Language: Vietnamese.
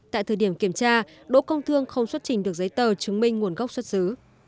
tại thời điểm kiểm tra đỗ công thương không xuất trình được giấy tờ chứng minh nguồn gốc xuất xứ